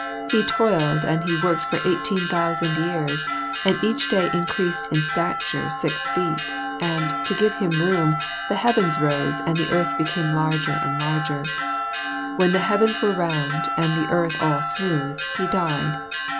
He toiled and he worked for eighteen thousand years, and each day increased in stature six feet, and, to give him room, the Heavens rose and the earth became larger and larger. When the Heavens were round and the earth all smooth, he died.